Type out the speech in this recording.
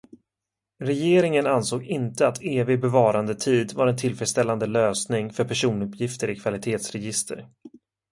Regeringen ansåg inte att evig bevarandetid var en tillfredställande lösning för personuppgifter i kvalitetsregister.